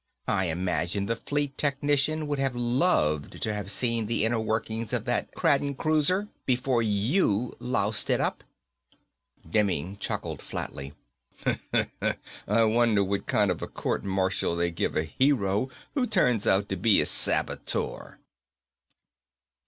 I imagine the Fleet technician would have loved to have seen the inner workings of that Kraden cruiser before you loused it up." Demming chuckled flatly. "I wonder what kind of a court martial they give a hero who turns out to be a saboteur."